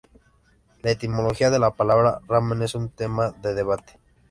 La etimología de la palabra ramen es un tema de debate.